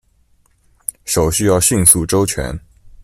手续要迅速周全。